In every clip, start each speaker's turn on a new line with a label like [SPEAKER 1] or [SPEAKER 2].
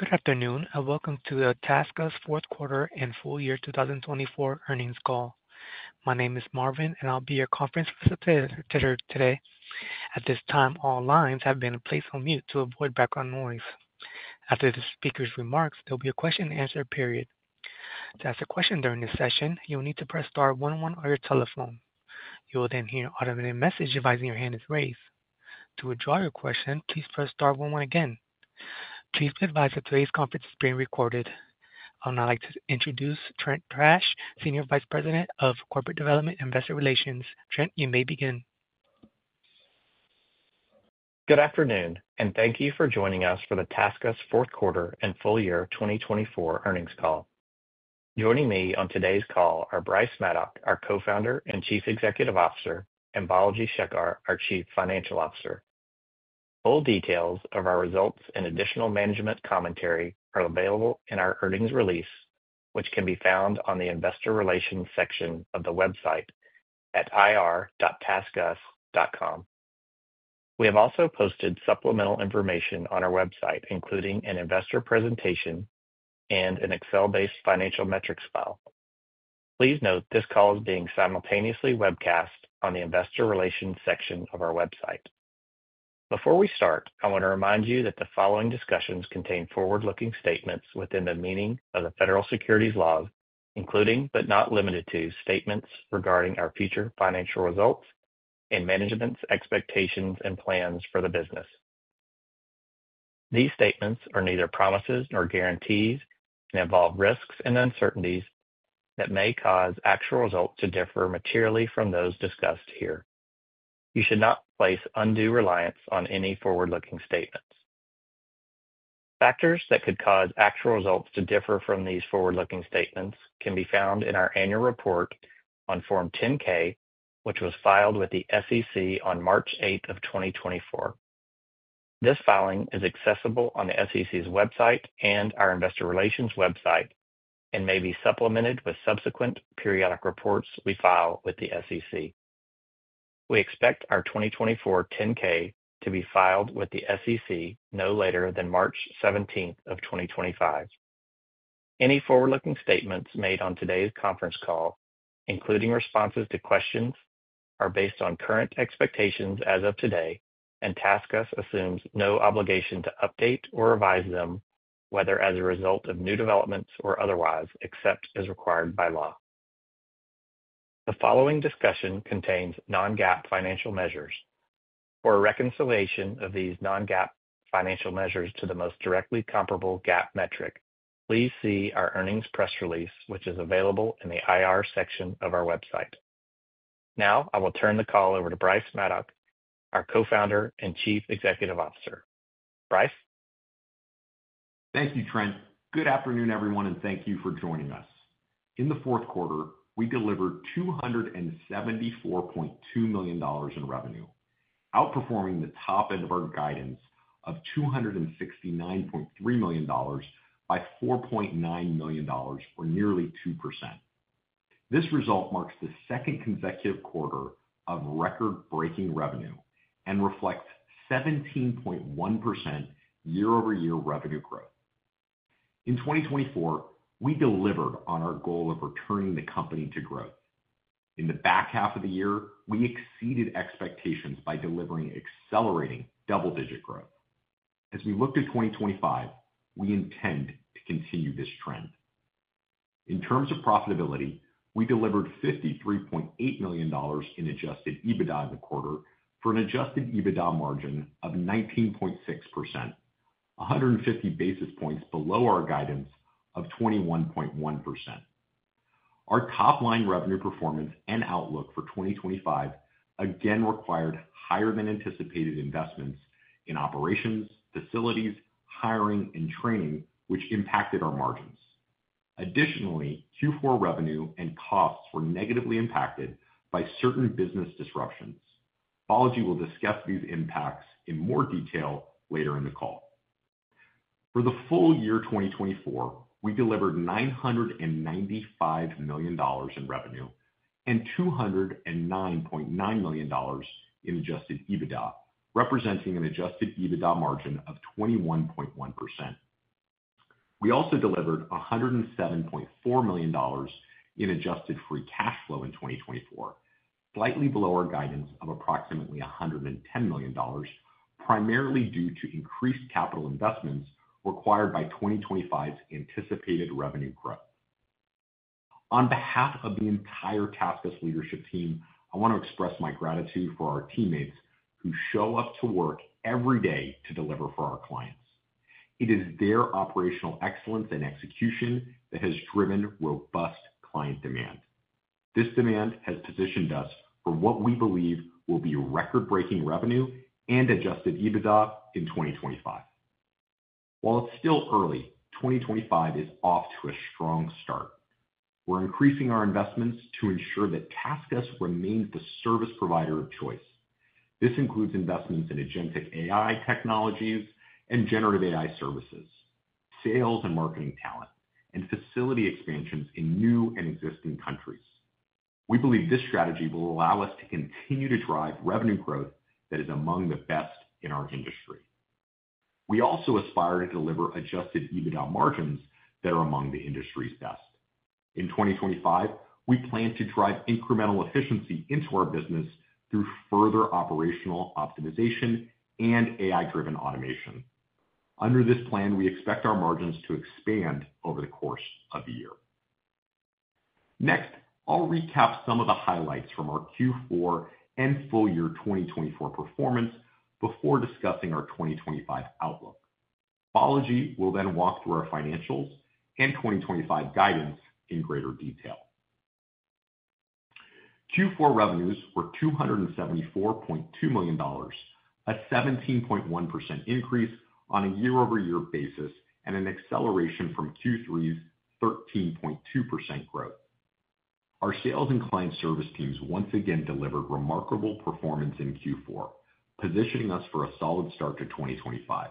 [SPEAKER 1] Good afternoon and welcome to the TaskUs Fourth Quarter and Full Year 2024 Earnings Call. My name is Marvin, and I'll be your conference facilitator today. At this time, all lines have been placed on mute to avoid background noise. After the speaker's remarks, there will be a question-and-answer period. To ask a question during this session, you'll need to press Star 11 on your telephone. You will then hear an automated message advising your hand is raised. To withdraw your question, please press Star 11 again. Please be advised that today's conference is being recorded. I would now like to introduce Trent Thrash, Senior Vice President of Corporate Development and Investor Relations. Trent, you may begin.
[SPEAKER 2] Good afternoon, and thank you for joining us for the TaskUs Fourth Quarter and Full Year 2024 Earnings Call. Joining me on today's call are Bryce Maddock, our Co-Founder and Chief Executive Officer, and Balaji Sekar, our Chief Financial Officer. Full details of our results and additional management commentary are available in our earnings release, which can be found on the Investor Relations section of the website at ir.taskus.com. We have also posted supplemental information on our website, including an investor presentation and an Excel-based financial metrics file. Please note this call is being simultaneously webcast on the Investor Relations section of our website. Before we start, I want to remind you that the following discussions contain forward-looking statements within the meaning of the federal securities laws, including but not limited to statements regarding our future financial results and management's expectations and plans for the business. These statements are neither promises nor guarantees and involve risks and uncertainties that may cause actual results to differ materially from those discussed here. You should not place undue reliance on any forward-looking statements. Factors that could cause actual results to differ from these forward-looking statements can be found in our annual report on Form 10-K, which was filed with the SEC on March 8th of 2024. This filing is accessible on the SEC's website and our Investor Relations website and may be supplemented with subsequent periodic reports we file with the SEC. We expect our 2024 10-K to be filed with the SEC no later than March 17th of 2025. Any forward-looking statements made on today's conference call, including responses to questions, are based on current expectations as of today, and TaskUs assumes no obligation to update or revise them, whether as a result of new developments or otherwise, except as required by law. The following discussion contains non-GAAP financial measures. For a reconciliation of these non-GAAP financial measures to the most directly comparable GAAP metric, please see our earnings press release, which is available in the IR section of our website. Now I will turn the call over to Bryce Maddock, our Co-Founder and Chief Executive Officer. Bryce?
[SPEAKER 3] Thank you, Trent. Good afternoon, everyone, and thank you for joining us. In the fourth quarter, we delivered $274.2 million in revenue, outperforming the top end of our guidance of $269.3 million by $4.9 million, or nearly 2%. This result marks the second consecutive quarter of record-breaking revenue and reflects 17.1% year-over-year revenue growth. In 2024, we delivered on our goal of returning the company to growth. In the back half of the year, we exceeded expectations by delivering accelerating double-digit growth. As we look to 2025, we intend to continue this trend. In terms of profitability, we delivered $53.8 million in Adjusted EBITDA in the quarter for an Adjusted EBITDA margin of 19.6%, 150 basis points below our guidance of 21.1%. Our top-line revenue performance and outlook for 2025 again required higher-than-anticipated investments in operations, facilities, hiring, and training, which impacted our margins. Additionally, Q4 revenue and costs were negatively impacted by certain business disruptions. Balaji will discuss these impacts in more detail later in the call. For the full year 2024, we delivered $995 million in revenue and $209.9 million in Adjusted EBITDA, representing an Adjusted EBITDA margin of 21.1%. We also delivered $107.4 million in Adjusted Free Cash Flow in 2024, slightly below our guidance of approximately $110 million, primarily due to increased capital investments required by 2025's anticipated revenue growth. On behalf of the entire TaskUs leadership team, I want to express my gratitude for our teammates who show up to work every day to deliver for our clients. It is their operational excellence and execution that has driven robust client demand. This demand has positioned us for what we believe will be record-breaking revenue and Adjusted EBITDA in 2025. While it's still early, 2025 is off to a strong start. We're increasing our investments to ensure that TaskUs remains the service provider of choice. This includes investments in Agentic AI technologies and Generative AI services, sales and marketing talent, and facility expansions in new and existing countries. We believe this strategy will allow us to continue to drive revenue growth that is among the best in our industry. We also aspire to deliver Adjusted EBITDA margins that are among the industry's best. In 2025, we plan to drive incremental efficiency into our business through further operational optimization and AI-driven automation. Under this plan, we expect our margins to expand over the course of the year. Next, I'll recap some of the highlights from our Q4 and full year 2024 performance before discussing our 2025 outlook. Balaji will then walk through our financials and 2025 guidance in greater detail. Q4 revenues were $274.2 million, a 17.1% increase on a year-over-year basis and an acceleration from Q3's 13.2% growth. Our sales and client service teams once again delivered remarkable performance in Q4, positioning us for a solid start to 2025.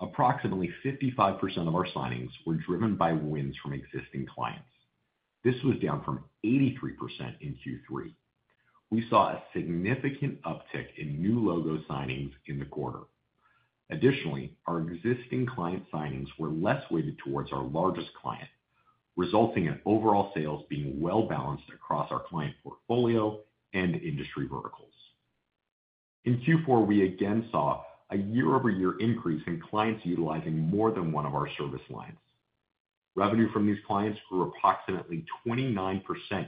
[SPEAKER 3] Approximately 55% of our signings were driven by wins from existing clients. This was down from 83% in Q3. We saw a significant uptick in new logo signings in the quarter. Additionally, our existing client signings were less weighted towards our largest client, resulting in overall sales being well-balanced across our client portfolio and industry verticals. In Q4, we again saw a year-over-year increase in clients utilizing more than one of our service lines. Revenue from these clients grew approximately 29%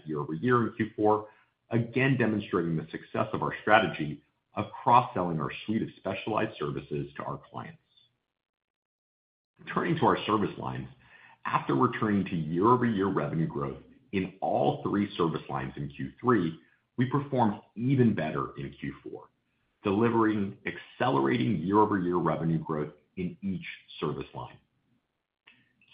[SPEAKER 3] year-over-year in Q4, again demonstrating the success of our strategy of cross-selling our suite of specialized services to our clients. Turning to our service lines, after returning to year-over-year revenue growth in all three service lines in Q3, we performed even better in Q4, delivering accelerating year-over-year revenue growth in each service line.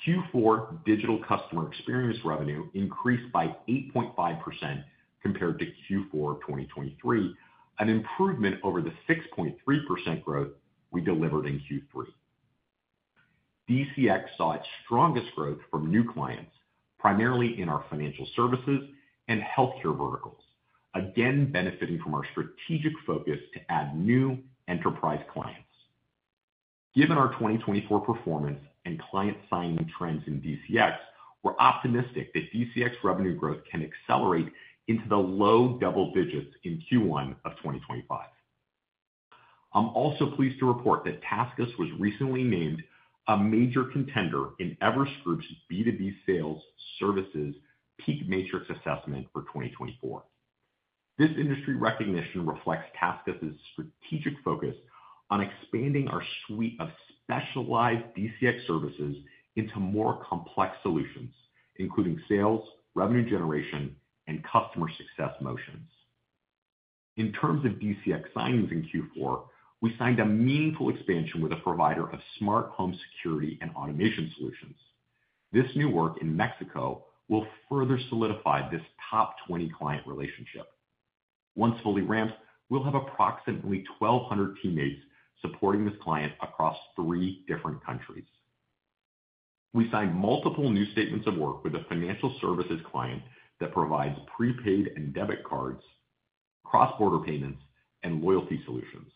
[SPEAKER 3] Q4 Digital Customer Experience revenue increased by 8.5% compared to Q4 2023, an improvement over the 6.3% growth we delivered in Q3. DCX saw its strongest growth from new clients, primarily in our financial services and healthcare verticals, again benefiting from our strategic focus to add new enterprise clients. Given our 2024 performance and client signing trends in DCX, we're optimistic that DCX revenue growth can accelerate into the low double digits in Q1 of 2025. I'm also pleased to report that TaskUs was recently named a major contender in Everest Group's B2B Sales Services PEAK Matrix Assessment for 2024. This industry recognition reflects TaskUs's strategic focus on expanding our suite of specialized DCX services into more complex solutions, including sales, revenue generation, and customer success motions. In terms of DCX signings in Q4, we signed a meaningful expansion with a provider of smart home security and automation solutions. This new work in Mexico will further solidify this top 20 client relationship. Once fully ramped, we'll have approximately 1,200 teammates supporting this client across three different countries. We signed multiple new statements of work with a financial services client that provides prepaid and debit cards, cross-border payments, and loyalty solutions.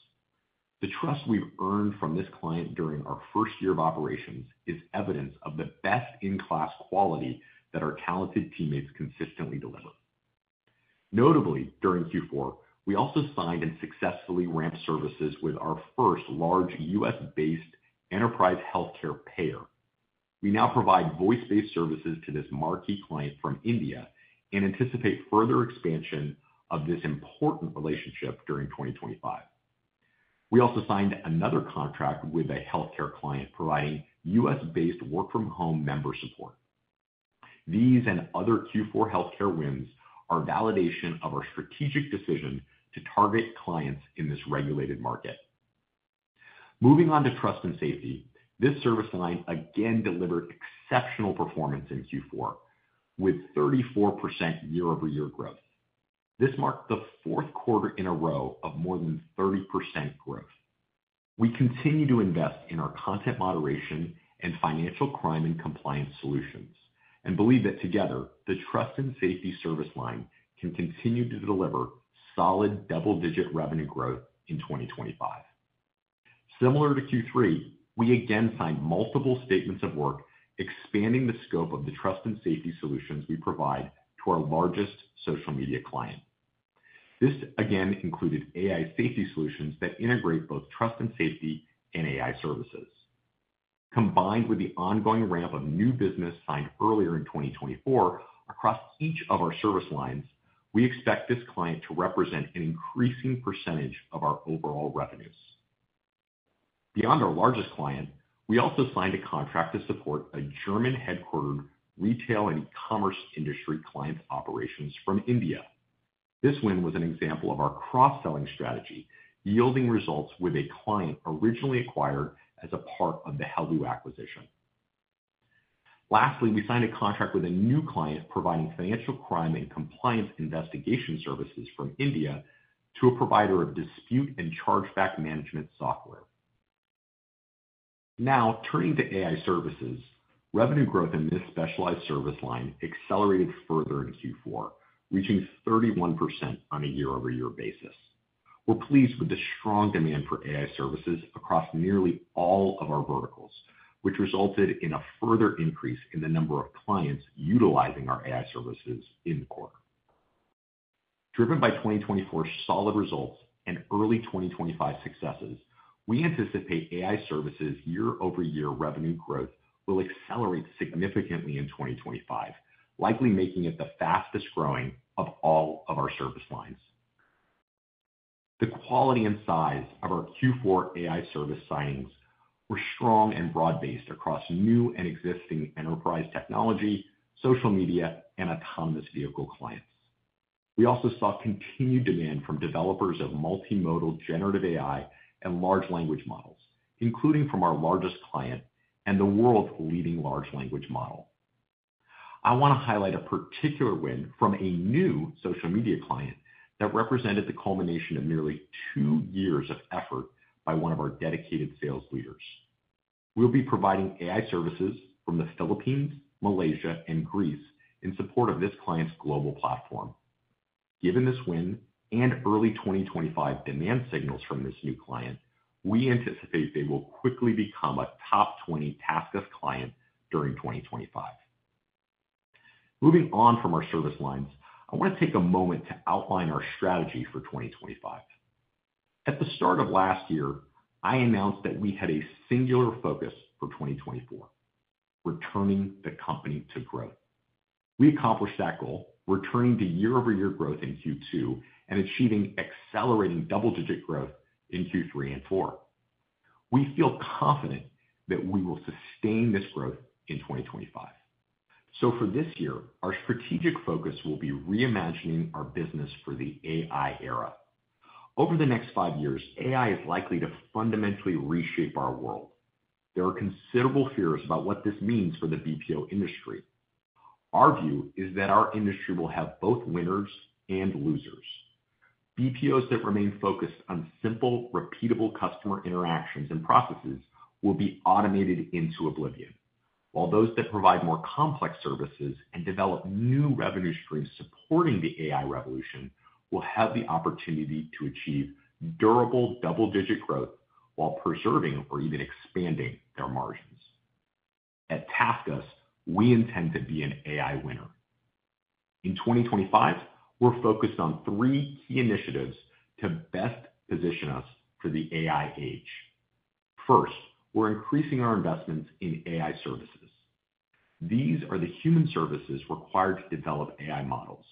[SPEAKER 3] The trust we've earned from this client during our first year of operations is evidence of the best-in-class quality that our talented teammates consistently deliver. Notably, during Q4, we also signed and successfully ramped services with our first large U.S.-based enterprise healthcare payer. We now provide voice-based services to this marquee client from India and anticipate further expansion of this important relationship during 2025. We also signed another contract with a healthcare client providing U.S.-based work-from-home member support. These and other Q4 healthcare wins are validation of our strategic decision to target clients in this regulated market. Moving on to Trust and Safety, this service line again delivered exceptional performance in Q4 with 34% year-over-year growth. This marked the fourth quarter in a row of more than 30% growth. We continue to invest in our content moderation and financial crime and compliance solutions and believe that together, the Trust and Safety service line can continue to deliver solid double-digit revenue growth in 2025. Similar to Q3, we again signed multiple statements of work expanding the scope of the Trust and Safety solutions we provide to our largest social media client. This again included AI safety solutions that integrate both trust and safety and AI services. Combined with the ongoing ramp of new business signed earlier in 2024 across each of our service lines, we expect this client to represent an increasing percentage of our overall revenues. Beyond our largest client, we also signed a contract to support a German-headquartered retail and e-commerce industry client's operations from India. This win was an example of our cross-selling strategy, yielding results with a client originally acquired as a part of the Heloo acquisition. Lastly, we signed a contract with a new client providing financial crime and compliance investigation services from India to a provider of dispute and chargeback management software. Now, turning to AI services, revenue growth in this specialized service line accelerated further in Q4, reaching 31% on a year-over-year basis. We're pleased with the strong demand for AI services across nearly all of our verticals, which resulted in a further increase in the number of clients utilizing our AI services in the quarter. Driven by 2024's solid results and early 2025 successes, we anticipate AI services' year-over-year revenue growth will accelerate significantly in 2025, likely making it the fastest growing of all of our service lines. The quality and size of our Q4 AI service signings were strong and broad-based across new and existing enterprise technology, social media, and autonomous vehicle clients. We also saw continued demand from developers of multimodal generative AI and large language models, including from our largest client and the world's leading large language model. I want to highlight a particular win from a new social media client that represented the culmination of nearly two years of effort by one of our dedicated sales leaders. We'll be providing AI services from the Philippines, Malaysia, and Greece in support of this client's global platform. Given this win and early 2025 demand signals from this new client, we anticipate they will quickly become a top 20 TaskUs client during 2025. Moving on from our service lines, I want to take a moment to outline our strategy for 2025. At the start of last year, I announced that we had a singular focus for 2024: returning the company to growth. We accomplished that goal, returning to year-over-year growth in Q2 and achieving accelerating double-digit growth in Q3 and Q4. We feel confident that we will sustain this growth in 2025, so for this year, our strategic focus will be reimagining our business for the AI era. Over the next five years, AI is likely to fundamentally reshape our world. There are considerable fears about what this means for the BPO industry. Our view is that our industry will have both winners and losers. BPOs that remain focused on simple, repeatable customer interactions and processes will be automated into oblivion, while those that provide more complex services and develop new revenue streams supporting the AI revolution will have the opportunity to achieve durable double-digit growth while preserving or even expanding their margins. At TaskUs, we intend to be an AI winner. In 2025, we're focused on three key initiatives to best position us for the AI age. First, we're increasing our investments in AI services. These are the human services required to develop AI models.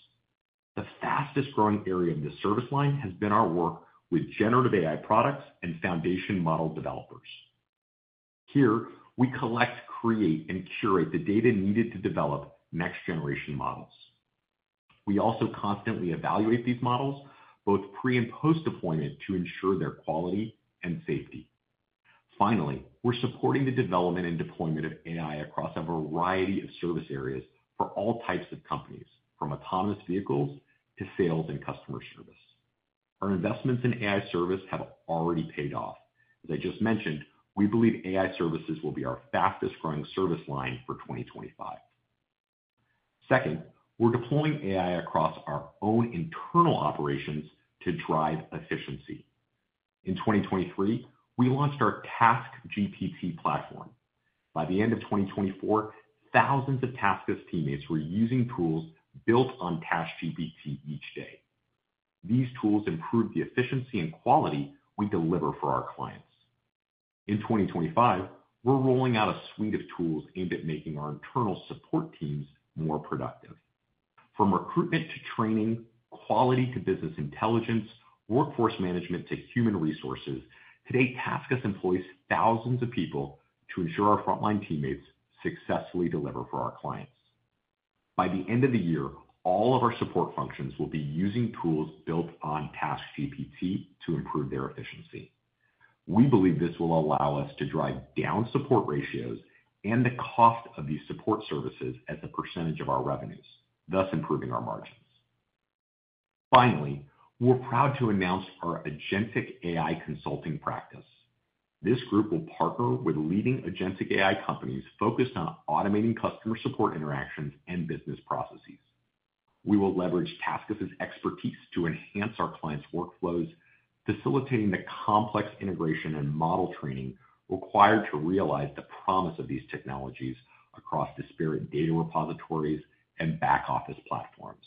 [SPEAKER 3] The fastest growing area of the service line has been our work with generative AI products and foundation model developers. Here, we collect, create, and curate the data needed to develop next-generation models. We also constantly evaluate these models, both pre and post-deployment, to ensure their quality and safety. Finally, we're supporting the development and deployment of AI across a variety of service areas for all types of companies, from autonomous vehicles to sales and customer service. Our investments in AI service have already paid off. As I just mentioned, we believe AI services will be our fastest growing service line for 2025. Second, we're deploying AI across our own internal operations to drive efficiency. In 2023, we launched our TaskGPT platform. By the end of 2024, thousands of TaskUs teammates were using tools built on TaskGPT each day. These tools improved the efficiency and quality we deliver for our clients. In 2025, we're rolling out a suite of tools aimed at making our internal support teams more productive. From recruitment to training, quality to business intelligence, workforce management to human resources, today, TaskUs employs thousands of people to ensure our frontline teammates successfully deliver for our clients. By the end of the year, all of our support functions will be using tools built on TaskGPT to improve their efficiency. We believe this will allow us to drive down support ratios and the cost of these support services as a percentage of our revenues, thus improving our margins. Finally, we're proud to announce our Agentic AI consulting practice. This group will partner with leading Agentic AI companies focused on automating customer support interactions and business processes. We will leverage TaskUs' expertise to enhance our clients' workflows, facilitating the complex integration and model training required to realize the promise of these technologies across disparate data repositories and back-office platforms.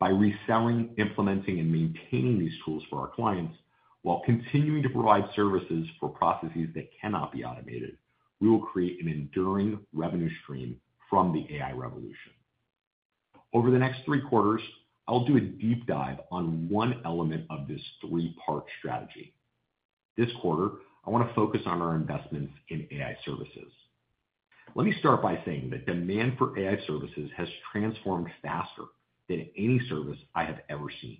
[SPEAKER 3] By reselling, implementing, and maintaining these tools for our clients, while continuing to provide services for processes that cannot be automated, we will create an enduring revenue stream from the AI revolution. Over the next three quarters, I'll do a deep dive on one element of this three-part strategy. This quarter, I want to focus on our investments in AI services. Let me start by saying that demand for AI services has transformed faster than any service I have ever seen.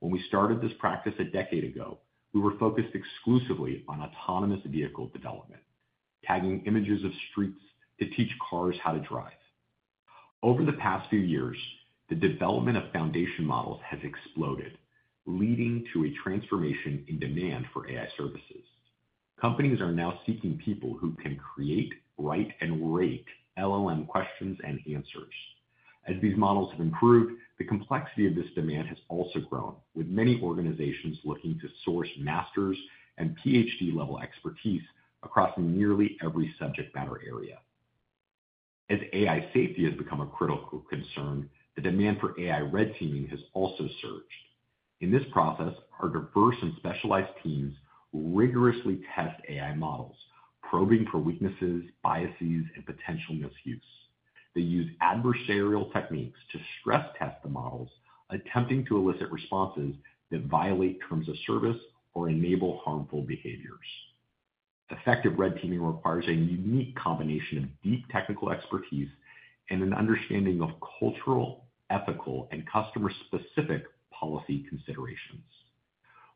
[SPEAKER 3] When we started this practice a decade ago, we were focused exclusively on autonomous vehicle development, tagging images of streets to teach cars how to drive. Over the past few years, the development of foundation models has exploded, leading to a transformation in demand for AI services. Companies are now seeking people who can create, write, and rate LLM questions and answers. As these models have improved, the complexity of this demand has also grown, with many organizations looking to source master's and PhD-level expertise across nearly every subject matter area. As AI safety has become a critical concern, the demand for AI red teaming has also surged. In this process, our diverse and specialized teams rigorously test AI models, probing for weaknesses, biases, and potential misuse. They use adversarial techniques to stress-test the models, attempting to elicit responses that violate terms of service or enable harmful behaviors. Effective red teaming requires a unique combination of deep technical expertise and an understanding of cultural, ethical, and customer-specific policy considerations.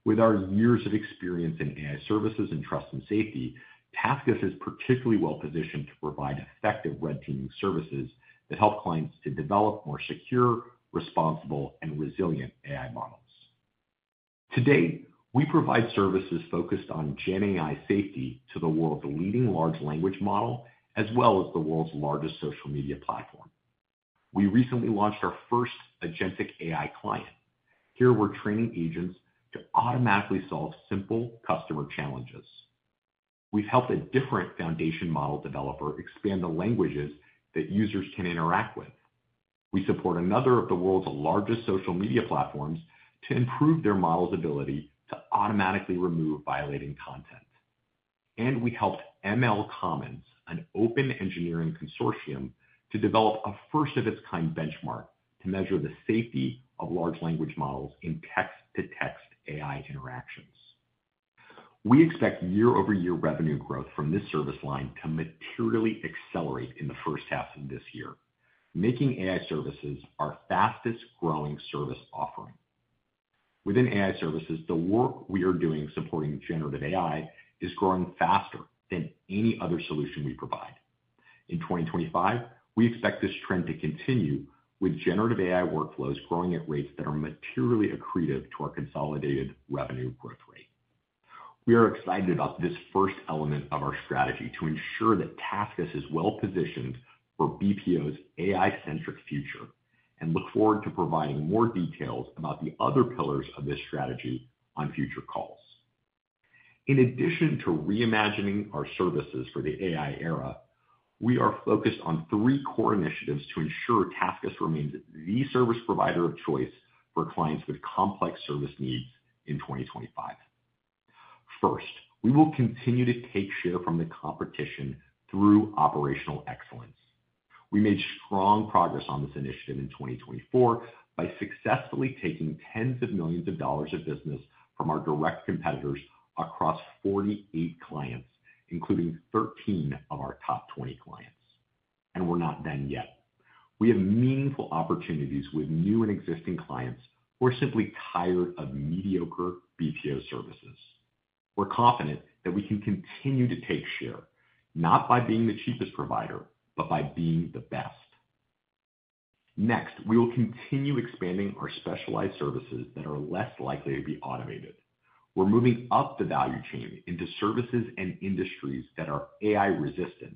[SPEAKER 3] With our years of experience in AI services and trust and safety, TaskUs is particularly well-positioned to provide effective red teaming services that help clients to develop more secure, responsible, and resilient AI models. Today, we provide services focused on GenAI safety to the world's leading large language model, as well as the world's largest social media platform. We recently launched our first Agentic AI client. Here, we're training agents to automatically solve simple customer challenges. We've helped a different foundation model developer expand the languages that users can interact with. We support another of the world's largest social media platforms to improve their model's ability to automatically remove violating content, and we helped MLCommons, an open engineering consortium, to develop a first-of-its-kind benchmark to measure the safety of large language models in text-to-text AI interactions. We expect year-over-year revenue growth from this service line to materially accelerate in the first half of this year, making AI services our fastest-growing service offering. Within AI services, the work we are doing supporting generative AI is growing faster than any other solution we provide. In 2025, we expect this trend to continue, with generative AI workflows growing at rates that are materially accretive to our consolidated revenue growth rate. We are excited about this first element of our strategy to ensure that TaskUs is well-positioned for BPO's AI-centric future and look forward to providing more details about the other pillars of this strategy on future calls. In addition to reimagining our services for the AI era, we are focused on three core initiatives to ensure TaskUs remains the service provider of choice for clients with complex service needs in 2025. First, we will continue to take share from the competition through operational excellence. We made strong progress on this initiative in 2024 by successfully taking tens of millions of dollars of business from our direct competitors across 48 clients, including 13 of our top 20 clients, and we're not done yet. We have meaningful opportunities with new and existing clients who are simply tired of mediocre BPO services. We're confident that we can continue to take share, not by being the cheapest provider, but by being the best. Next, we will continue expanding our specialized services that are less likely to be automated. We're moving up the value chain into services and industries that are AI-resistant,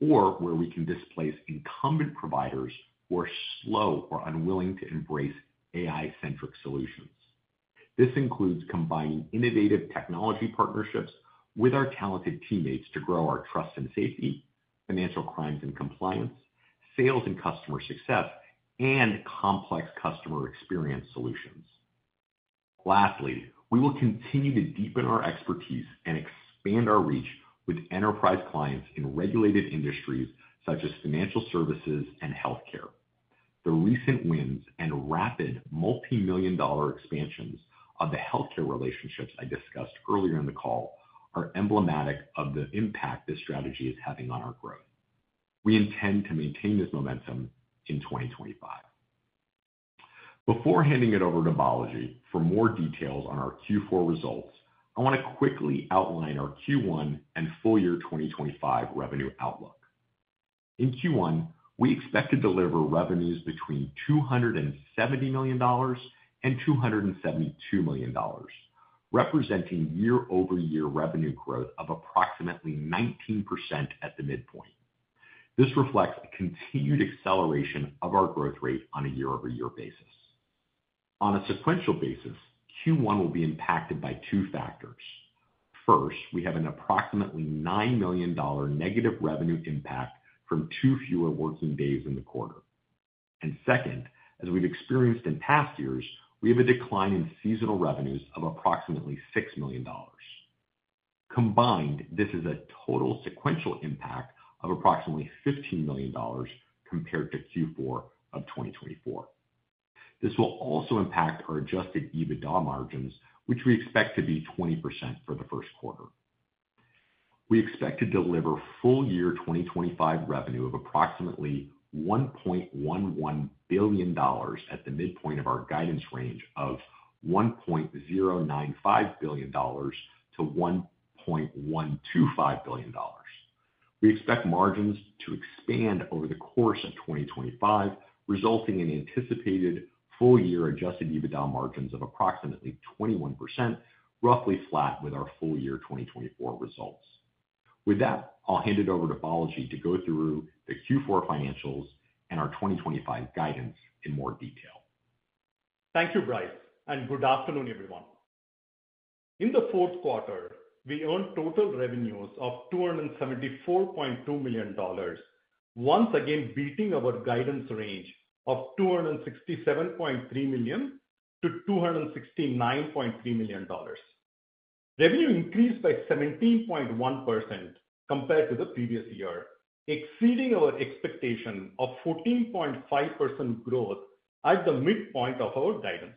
[SPEAKER 3] or where we can displace incumbent providers who are slow or unwilling to embrace AI-centric solutions. This includes combining innovative technology partnerships with our talented teammates to grow our trust and safety, financial crimes and compliance, sales and customer success, and complex customer experience solutions. Lastly, we will continue to deepen our expertise and expand our reach with enterprise clients in regulated industries such as financial services and healthcare. The recent wins and rapid multimillion-dollar expansions of the healthcare relationships I discussed earlier in the call are emblematic of the impact this strategy is having on our growth. We intend to maintain this momentum in 2025. Before handing it over to Balaji for more details on our Q4 results, I want to quickly outline our Q1 and full year 2025 revenue outlook. In Q1, we expect to deliver revenues between $270 million and $272 million, representing year-over-year revenue growth of approximately 19% at the midpoint. This reflects a continued acceleration of our growth rate on a year-over-year basis. On a sequential basis, Q1 will be impacted by two factors. First, we have an approximately $9 million negative revenue impact from two fewer working days in the quarter. And second, as we've experienced in past years, we have a decline in seasonal revenues of approximately $6 million. Combined, this is a total sequential impact of approximately $15 million compared to Q4 of 2024. This will also impact our Adjusted EBITDA margins, which we expect to be 20% for the first quarter. We expect to deliver full year 2025 revenue of approximately $1.11 billion at the midpoint of our guidance range of $1.095 billion-$1.125 billion. We expect margins to expand over the course of 2025, resulting in anticipated full year Adjusted EBITDA margins of approximately 21%, roughly flat with our full year 2024 results. With that, I'll hand it over to Balaji to go through the Q4 financials and our 2025 guidance in more detail.
[SPEAKER 4] Thank you, Bryce, and good afternoon, everyone. In the fourth quarter, we earned total revenues of $274.2 million, once again beating our guidance range of $267.3 million-$269.3 million. Revenue increased by 17.1% compared to the previous year, exceeding our expectation of 14.5% growth at the midpoint of our guidance.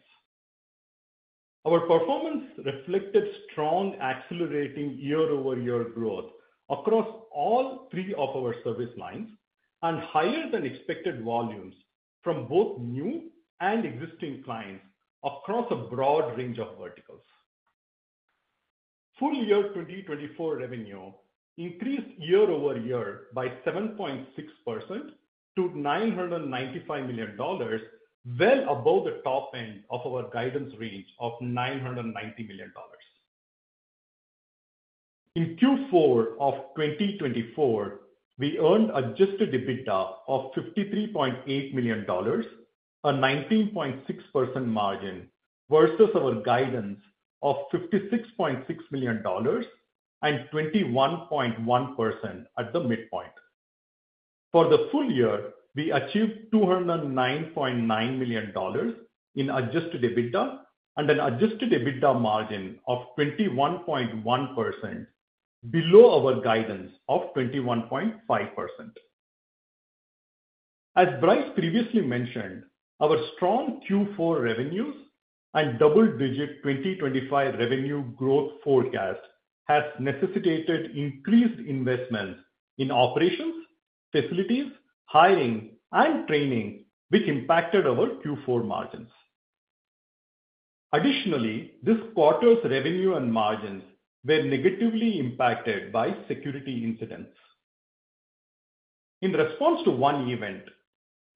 [SPEAKER 4] Our performance reflected strong accelerating year-over-year growth across all three of our service lines and higher-than-expected volumes from both new and existing clients across a broad range of verticals. Full year 2024 revenue increased year-over-year by 7.6% to $995 million, well above the top end of our guidance range of $990 million. In Q4 of 2024, we earned adjusted EBITDA of $53.8 million, a 19.6% margin, versus our guidance of $56.6 million and 21.1% at the midpoint. For the full year, we achieved $209.9 million in adjusted EBITDA and an adjusted EBITDA margin of 21.1%, below our guidance of 21.5%. As Bryce previously mentioned, our strong Q4 revenues and double-digit 2025 revenue growth forecast have necessitated increased investments in operations, facilities, hiring, and training, which impacted our Q4 margins. Additionally, this quarter's revenue and margins were negatively impacted by security incidents. In response to one event,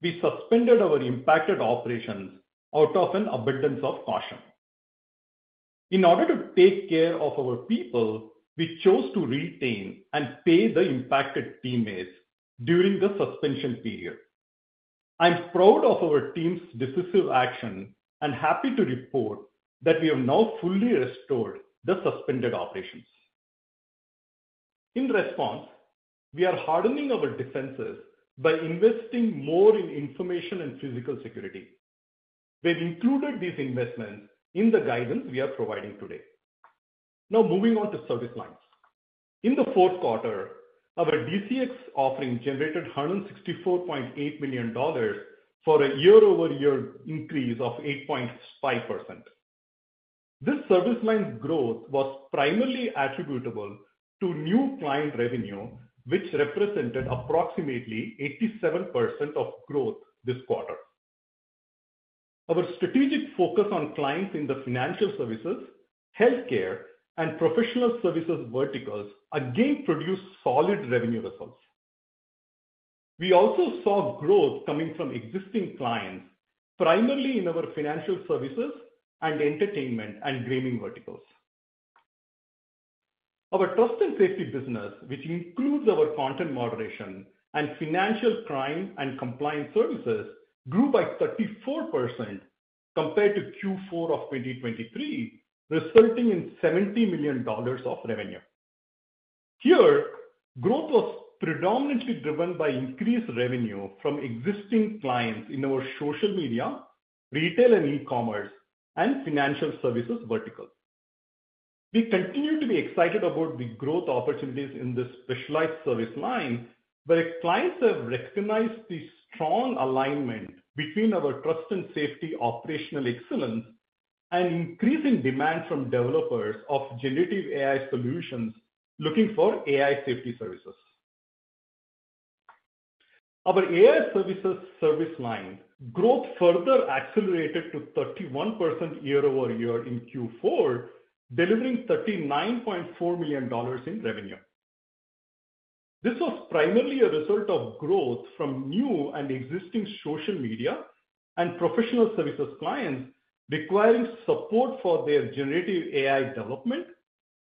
[SPEAKER 4] we suspended our impacted operations out of an abundance of caution. In order to take care of our people, we chose to retain and pay the impacted teammates during the suspension period. I'm proud of our team's decisive action and happy to report that we have now fully restored the suspended operations. In response, we are hardening our defenses by investing more in information and physical security. We've included these investments in the guidance we are providing today. Now, moving on to service lines. In the fourth quarter, our DCX offering generated $164.8 million for a year-over-year increase of 8.5%. This service line growth was primarily attributable to new client revenue, which represented approximately 87% of growth this quarter. Our strategic focus on clients in the financial services, healthcare, and professional services verticals again produced solid revenue results. We also saw growth coming from existing clients, primarily in our financial services and entertainment and gaming verticals. Our Trust and Safety business, which includes our content moderation and financial crime and compliance services, grew by 34% compared to Q4 of 2023, resulting in $70 million of revenue. Here, growth was predominantly driven by increased revenue from existing clients in our social media, retail and e-commerce, and financial services verticals. We continue to be excited about the growth opportunities in this specialized service line, where clients have recognized the strong alignment between our Trust and Safety operational excellence and increasing demand from developers of Generative AI solutions looking for AI safety services. Our AI Services service line growth further accelerated to 31% year-over-year in Q4, delivering $39.4 million in revenue. This was primarily a result of growth from new and existing social media and professional services clients requiring support for their generative AI development,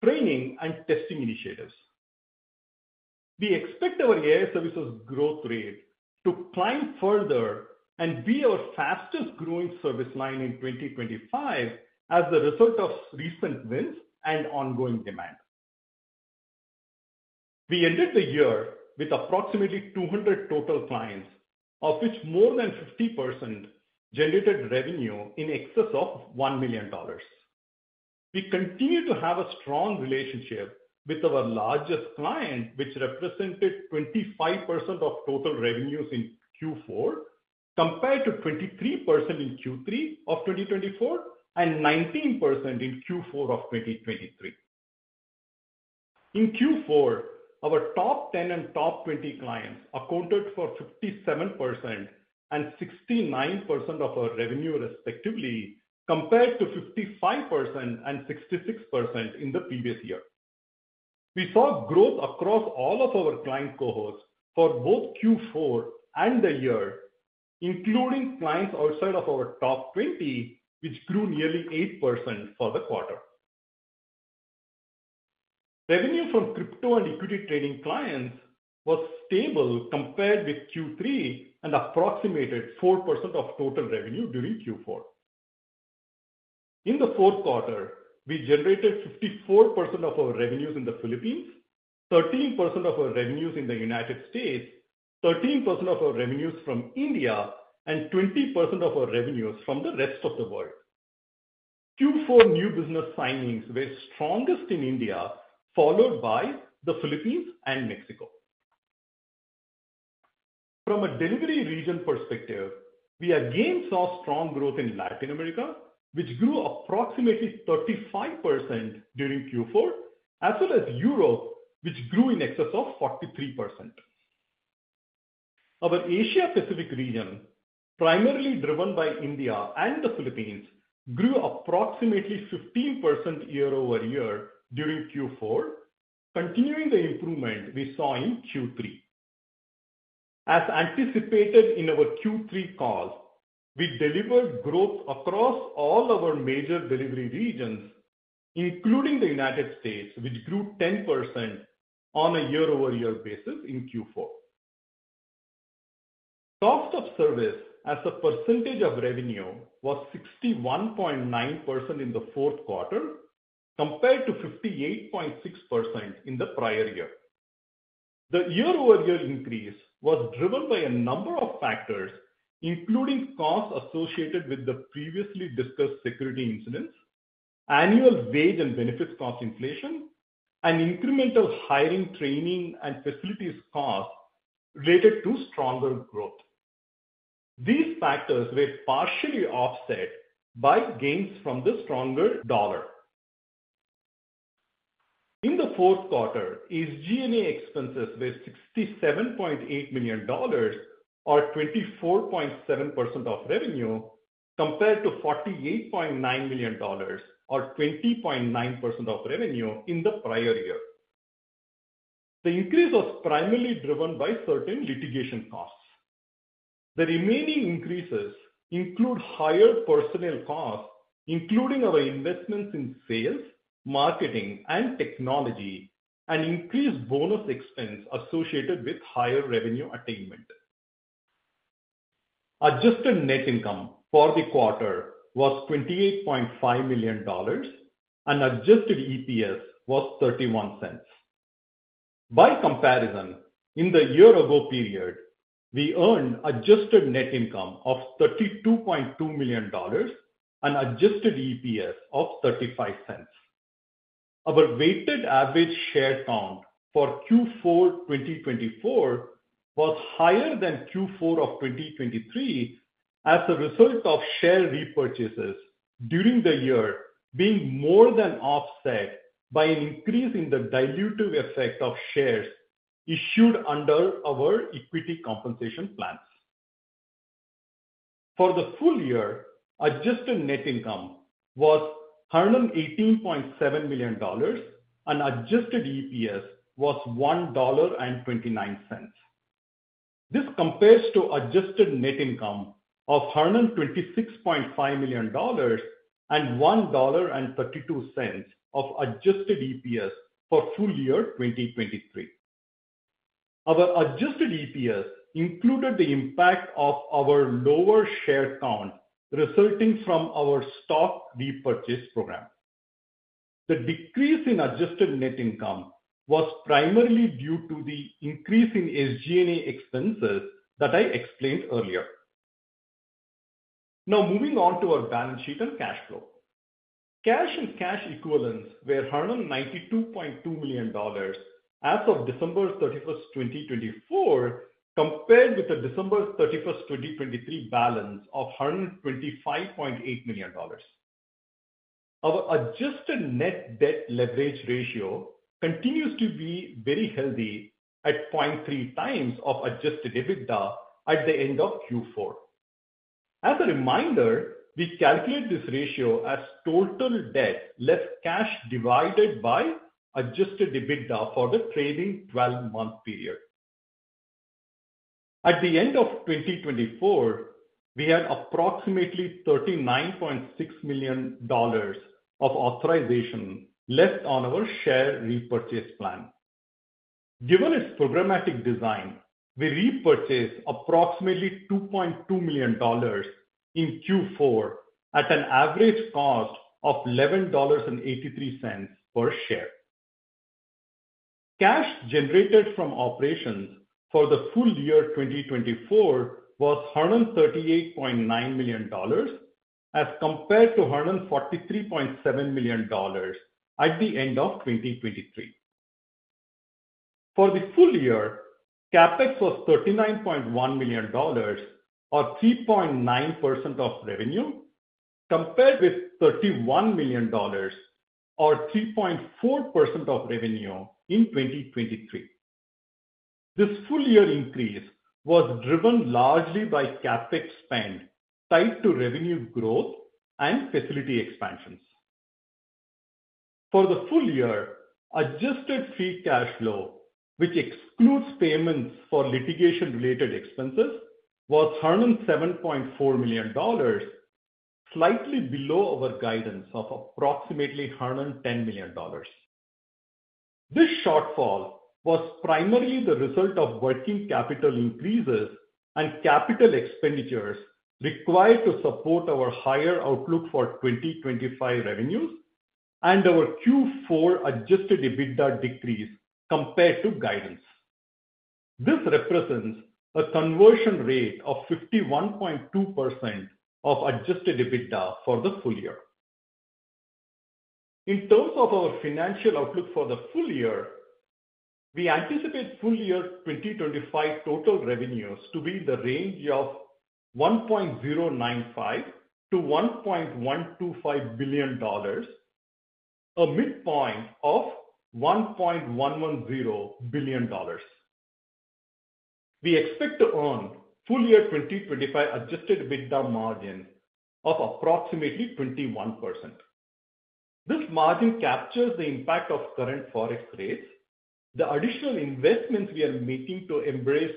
[SPEAKER 4] training, and testing initiatives. We expect our AI services growth rate to climb further and be our fastest-growing service line in 2025 as a result of recent wins and ongoing demand. We ended the year with approximately 200 total clients, of which more than 50% generated revenue in excess of $1 million. We continue to have a strong relationship with our largest client, which represented 25% of total revenues in Q4 compared to 23% in Q3 of 2024 and 19% in Q4 of 2023. In Q4, our top 10 and top 20 clients accounted for 57% and 69% of our revenue, respectively, compared to 55% and 66% in the previous year. We saw growth across all of our client cohorts for both Q4 and the year, including clients outside of our top 20, which grew nearly eight% for the quarter. Revenue from crypto and equity trading clients was stable compared with Q3 and approximated four% of total revenue during Q4. In the fourth quarter, we generated 54% of our revenues in the Philippines, 13% of our revenues in the United States, 13% of our revenues from India, and 20% of our revenues from the rest of the world. Q4 new business signings were strongest in India, followed by the Philippines and Mexico. From a delivery region perspective, we again saw strong growth in Latin America, which grew approximately 35% during Q4, as well as Europe, which grew in excess of 43%. Our Asia-Pacific region, primarily driven by India and the Philippines, grew approximately 15% year-over-year during Q4, continuing the improvement we saw in Q3. As anticipated in our Q3 call, we delivered growth across all our major delivery regions, including the United States, which grew 10% on a year-over-year basis in Q4. Cost of service as a percentage of revenue was 61.9% in the fourth quarter compared to 58.6% in the prior year. The year-over-year increase was driven by a number of factors, including costs associated with the previously discussed security incidents, annual wage and benefits cost inflation, and incremental hiring, training, and facilities costs related to stronger growth. These factors were partially offset by gains from the stronger dollar. In the fourth quarter, SG&A expenses were $67.8 million or 24.7% of revenue compared to $48.9 million or 20.9% of revenue in the prior year. The increase was primarily driven by certain litigation costs. The remaining increases include higher personnel costs, including our investments in sales, marketing, and technology, and increased bonus expense associated with higher revenue attainment. Adjusted net income for the quarter was $28.5 million, and adjusted EPS was $0.31. By comparison, in the year-ago period, we earned adjusted net income of $32.2 million and adjusted EPS of $0.35. Our weighted average share count for Q4 2024 was higher than Q4 of 2023 as a result of share repurchases during the year being more than offset by an increase in the dilutive effect of shares issued under our equity compensation plans. For the full year, adjusted net income was $118.7 million, and adjusted EPS was $1.29. This compares to adjusted net income of $126.5 million and $1.32 of adjusted EPS for full year 2023. Our adjusted EPS included the impact of our lower share count resulting from our stock repurchase program. The decrease in adjusted net income was primarily due to the increase in SG&A expenses that I explained earlier. Now, moving on to our balance sheet and cash flow. Cash and cash equivalents were $192.2 million as of December 31, 2024, compared with the December 31, 2023, balance of $125.8 million. Our adjusted net debt leverage ratio continues to be very healthy at 0.3 times of adjusted EBITDA at the end of Q4. As a reminder, we calculate this ratio as total debt less cash divided by adjusted EBITDA for the trailing 12-month period. At the end of 2024, we had approximately $39.6 million of authorization left on our share repurchase plan. Given its programmatic design, we repurchased approximately $2.2 million in Q4 at an average cost of $11.83 per share. Cash generated from operations for the full year 2024 was $138.9 million as compared to $143.7 million at the end of 2023. For the full year, CapEx was $39.1 million or 3.9% of revenue compared with $31 million or 3.4% of revenue in 2023. This full year increase was driven largely by CapEx spend tied to revenue growth and facility expansions. For the full year, adjusted free cash flow, which excludes payments for litigation-related expenses, was $107.4 million, slightly below our guidance of approximately $110 million. This shortfall was primarily the result of working capital increases and capital expenditures required to support our higher outlook for 2025 revenues and our Q4 Adjusted EBITDA decrease compared to guidance. This represents a conversion rate of 51.2% of Adjusted EBITDA for the full year. In terms of our financial outlook for the full year, we anticipate full year 2025 total revenues to be in the range of $1.095-$1.125 billion, a midpoint of $1.110 billion. We expect to earn full year 2025 adjusted EBITDA margin of approximately 21%. This margin captures the impact of current Forex rates, the additional investments we are making to embrace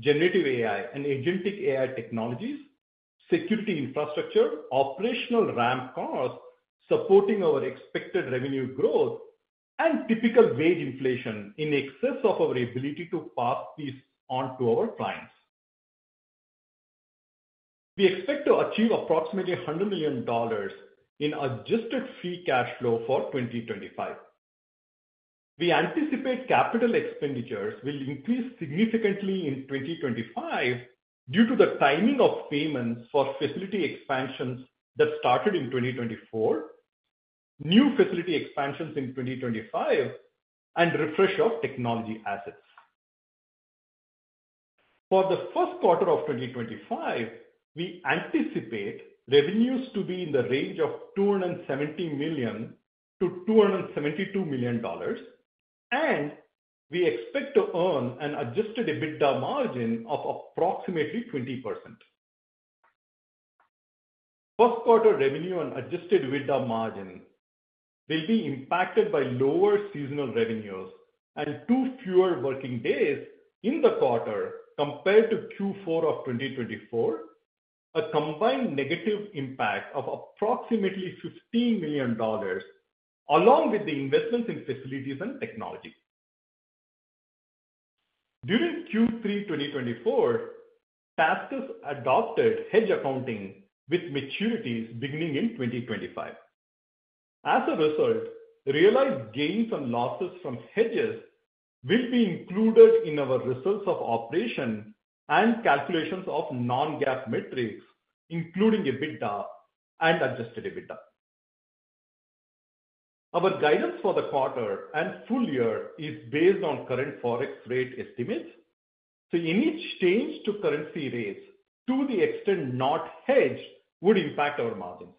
[SPEAKER 4] generative AI and agentic AI technologies, security infrastructure, operational run-rate costs supporting our expected revenue growth, and typical wage inflation in excess of our ability to pass these on to our clients. We expect to achieve approximately $100 million in adjusted free cash flow for 2025. We anticipate capital expenditures will increase significantly in 2025 due to the timing of payments for facility expansions that started in 2024, new facility expansions in 2025, and refresh of technology assets. For the first quarter of 2025, we anticipate revenues to be in the range of $270-$272 million, and we expect to earn an adjusted EBITDA margin of approximately 20%. First quarter revenue and adjusted EBITDA margin will be impacted by lower seasonal revenues and two fewer working days in the quarter compared to Q4 of 2024, a combined negative impact of approximately $15 million, along with the investments in facilities and technology. During Q3 2024, TaskUs adopted hedge accounting with maturities beginning in 2025. As a result, realized gains and losses from hedges will be included in our results of operation and calculations of non-GAAP metrics, including EBITDA and adjusted EBITDA. Our guidance for the quarter and full year is based on current Forex rate estimates, so any change to currency rates to the extent not hedged would impact our margins.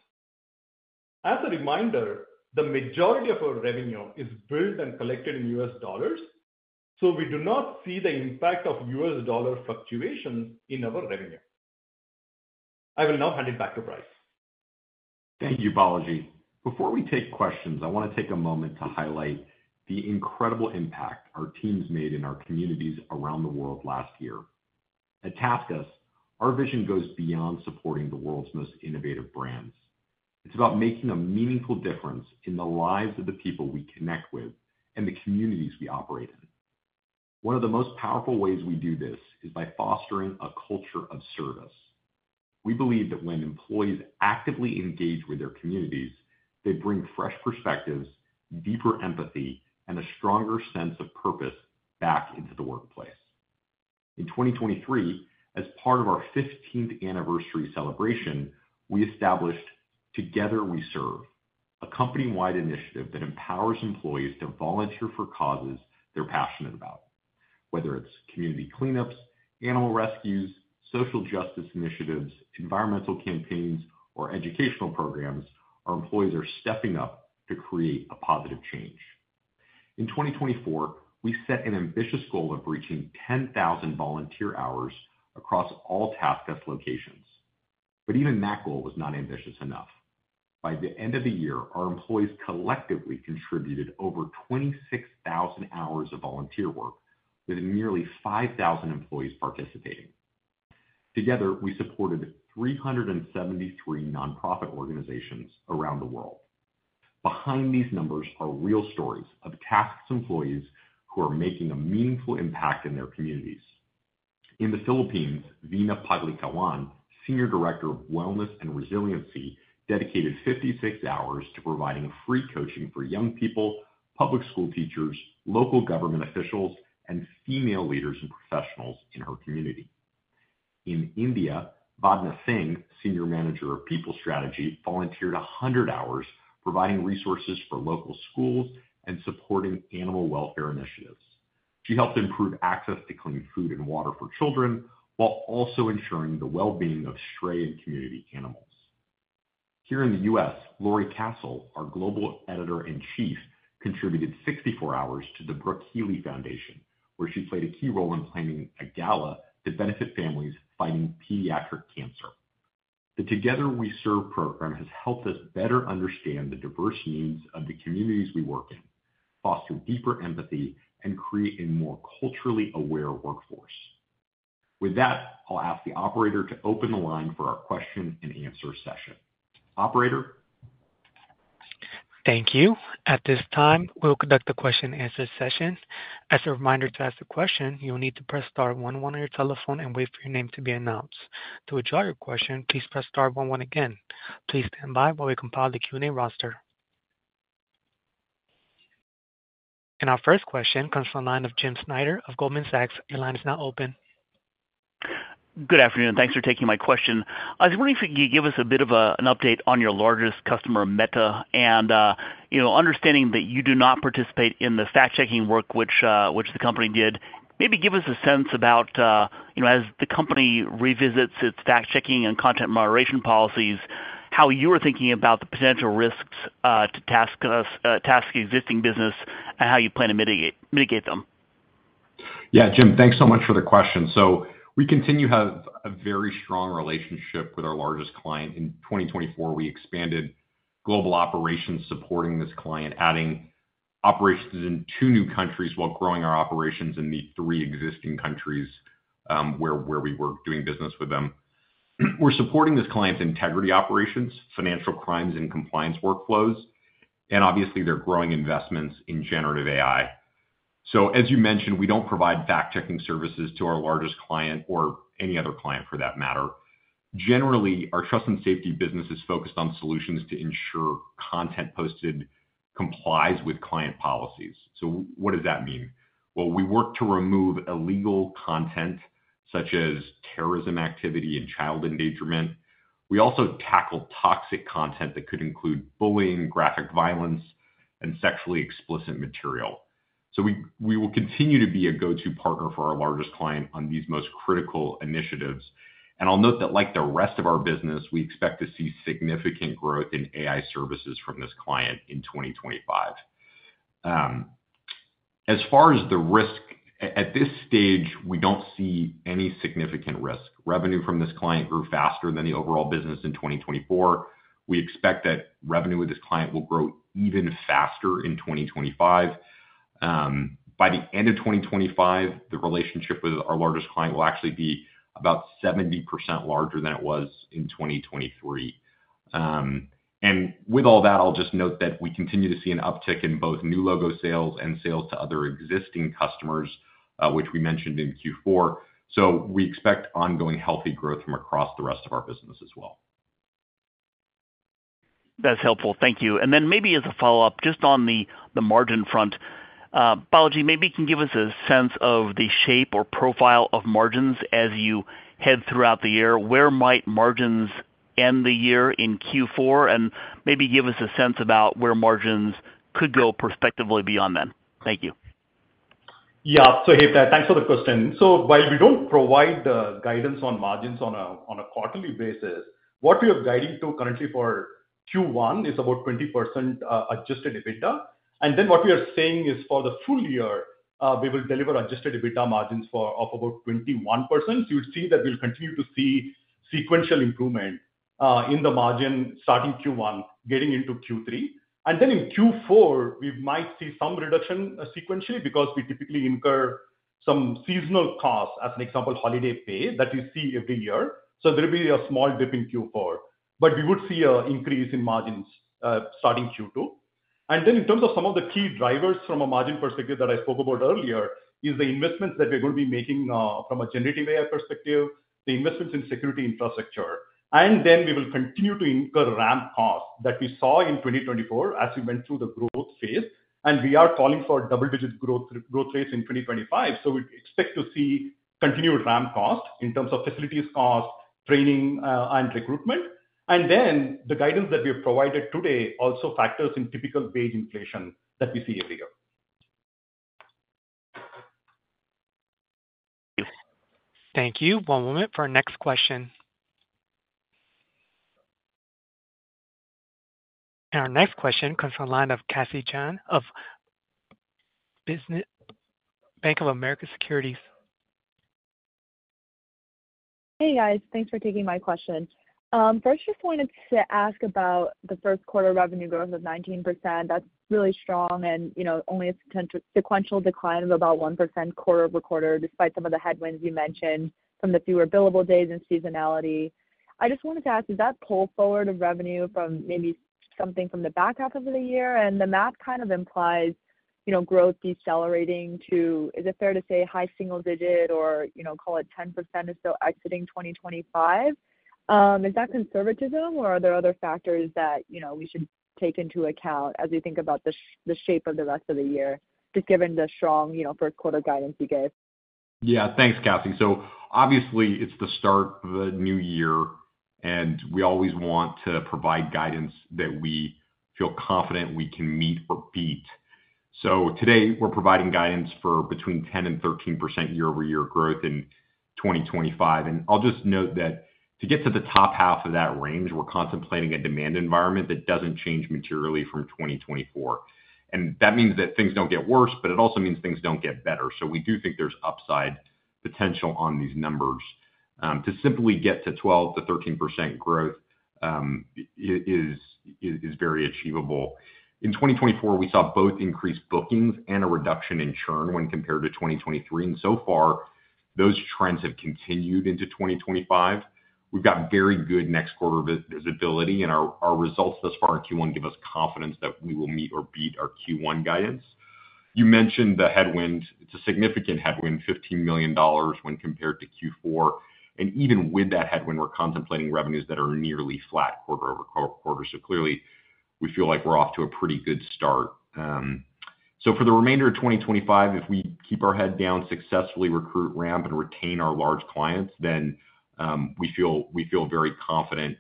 [SPEAKER 4] As a reminder, the majority of our revenue is billed and collected in U.S. dollars, so we do not see the impact of U.S. dollar fluctuations in our revenue. I will now hand it back to Bryce.
[SPEAKER 3] Thank you, Balaji. Before we take questions, I want to take a moment to highlight the incredible impact our teams made in our communities around the world last year. At TaskUs, our vision goes beyond supporting the world's most innovative brands. It's about making a meaningful difference in the lives of the people we connect with and the communities we operate in. One of the most powerful ways we do this is by fostering a culture of service. We believe that when employees actively engage with their communities, they bring fresh perspectives, deeper empathy, and a stronger sense of purpose back into the workplace. In 2023, as part of our 15th anniversary celebration, we established Together We Serve, a company-wide initiative that empowers employees to volunteer for causes they're passionate about. Whether it's community cleanups, animal rescues, social justice initiatives, environmental campaigns, or educational programs, our employees are stepping up to create a positive change. In 2024, we set an ambitious goal of reaching 10,000 volunteer hours across all TaskUs locations. But even that goal was not ambitious enough. By the end of the year, our employees collectively contributed over 26,000 hours of volunteer work, with nearly 5,000 employees participating. Together, we supported 373 nonprofit organizations around the world. Behind these numbers are real stories of TaskUs employees who are making a meaningful impact in their communities. In the Philippines, Vina Paglicauan, Senior Director of Wellness and Resiliency, dedicated 56 hours to providing free coaching for young people, public school teachers, local government officials, and female leaders and professionals in her community. In India, Vandana Singh, Senior Manager of People Strategy, volunteered 100 hours providing resources for local schools and supporting animal welfare initiatives. She helped improve access to clean food and water for children while also ensuring the well-being of stray and community animals. Here in the US, Lori Castle, our Global Editor-in-Chief, contributed 64 hours to the Brooke Healey Foundation, where she played a key role in planning a gala to benefit families fighting pediatric cancer. The Together We Serve program has helped us better understand the diverse needs of the communities we work in, foster deeper empathy, and create a more culturally aware workforce. With that, I'll ask the operator to open the line for our question and answer session. Operator.
[SPEAKER 1] Thank you. At this time, we'll conduct the question and answer session. As a reminder to ask the question, you'll need to press star 11 on your telephone and wait for your name to be announced. To withdraw your question, please press star 11 again. Please stand by while we compile the Q&A roster. And our first question comes from the line of Jim Schneider of Goldman Sachs. Your line is now open.
[SPEAKER 5] Good afternoon. Thanks for taking my question. I was wondering if you could give us a bit of an update on your largest customer, Meta, and understanding that you do not participate in the fact-checking work which the company did. Maybe give us a sense about, as the company revisits its fact-checking and content moderation policies, how you are thinking about the potential risks to TaskUs' existing business and how you plan to mitigate them.
[SPEAKER 3] Yeah, Jim, thanks so much for the question. So we continue to have a very strong relationship with our largest client. In 2024, we expanded global operations supporting this client, adding operations in two new countries while growing our operations in the three existing countries where we were doing business with them. We're supporting this client's integrity operations, financial crimes, and compliance workflows, and obviously, their growing investments in generative AI. So, as you mentioned, we don't provide fact-checking services to our largest client or any other client for that matter. Generally, our Trust and Safety business is focused on solutions to ensure content posted complies with client policies. So what does that mean? We work to remove illegal content such as terrorism activity and child endangerment. We also tackle toxic content that could include bullying, graphic violence, and sexually explicit material. So we will continue to be a go-to partner for our largest client on these most critical initiatives. And I'll note that, like the rest of our business, we expect to see significant growth in AI services from this client in 2025. As far as the risk, at this stage, we don't see any significant risk. Revenue from this client grew faster than the overall business in 2024. We expect that revenue with this client will grow even faster in 2025. By the end of 2025, the relationship with our largest client will actually be about 70% larger than it was in 2023. And with all that, I'll just note that we continue to see an uptick in both new logo sales and sales to other existing customers, which we mentioned in Q4. So we expect ongoing healthy growth from across the rest of our business as well.
[SPEAKER 5] That's helpful. Thank you. And then maybe as a follow-up, just on the margin front, Balaji, maybe you can give us a sense of the shape or profile of margins as you head throughout the year. Where might margins end the year in Q4 and maybe give us a sense about where margins could go prospectively beyond then? Thank you.
[SPEAKER 4] Yeah, so thanks for the question. So while we don't provide guidance on margins on a quarterly basis, what we are guiding to currently for Q1 is about 20% Adjusted EBITDA. And then what we are saying is for the full year, we will deliver Adjusted EBITDA margins of about 21%. So you'd see that we'll continue to see sequential improvement in the margin starting Q1, getting into Q3. And then in Q4, we might see some reduction sequentially because we typically incur some seasonal costs, as an example, holiday pay that you see every year. So there will be a small dip inQ4, but we would see an increase in margins starting Q2. And then in terms of some of the key drivers from a margin perspective that I spoke about earlier, is the investments that we're going to bemaking from a generative AI perspective, the investments in security infrastructure. And then we will continue to incur ramp costs that we saw in 2024 as we went through the growth phase. We are calling for double-digit growth rates in 2025. We expect to see continued RAM costs in terms of facilities costs, training, and recruitment. Then the guidance that we have provided today also factors in typical wage inflation that we see every year.
[SPEAKER 1] Thank you. One moment for our next question. Our next question comes from the line of Cassie Chan of Bank of America Securities. Hey, guys.
[SPEAKER 6] Thanks for taking my question. First, just wanted to ask about the first quarter revenue growth of 19%. That's really strong and only a sequential decline of about 1% quarter over quarter, despite some of the headwinds you mentioned from the fewer billable days and seasonality. I just wanted to ask, is that pull forward of revenue from maybe something from the back half of the year? And the map kind of implies growth decelerating to, is it fair to say, high single-digit or call it 10% or so exiting 2025? Is that conservatism, or are there other factors that we should take into account as we think about the shape of the rest of the year, just given the strong first quarter guidance you gave?
[SPEAKER 3] Yeah, thanks, Cassie. So obviously, it's the start of the new year, and we always want to provide guidance that we feel confident we can meet or beat. So today, we're providing guidance for between 10% and 13% year-over-year growth in 2025. And I'll just note that to get to the top half of that range, we're contemplating a demand environment that doesn't change materially from 2024. And that means that things don't get worse, but it also means things don't get better. So we do think there's upside potential on these numbers. To simply get to 12%-13% growth is very achievable. In 2024, we saw both increased bookings and a reduction in churn when compared to 2023. And so far, those trends have continued into 2025. We've got very good next quarter visibility, and our results thus far in Q1 give us confidence that we will meet or beat our Q1 guidance. You mentioned the headwind. It's a significant headwind, $15 million when compared to Q4. And even with that headwind, we're contemplating revenues that are nearly flat quarter over quarter. So clearly, we feel like we're off to a pretty good start. So for the remainder of 2025, if we keep our head down, successfully ramp, and retain our large clients, then we feel very confident